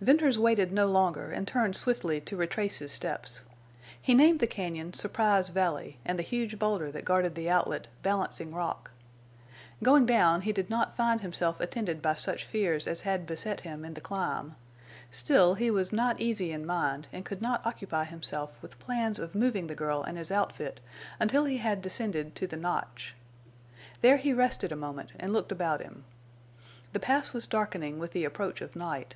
Venters waited no longer, and turned swiftly to retrace his steps. He named the cañon Surprise Valley and the huge boulder that guarded the outlet Balancing Rock. Going down he did not find himself attended by such fears as had beset him in the climb; still, he was not easy in mind and could not occupy himself with plans of moving the girl and his outfit until he had descended to the notch. There he rested a moment and looked about him. The pass was darkening with the approach of night.